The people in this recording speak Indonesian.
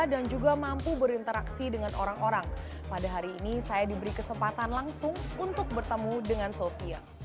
dan juga mampu berinteraksi dengan orang orang pada hari ini saya diberi kesempatan langsung untuk bertemu dengan sofia